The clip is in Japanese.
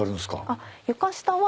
あっ床下は。